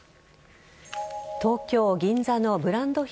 東京・銀座のブランド品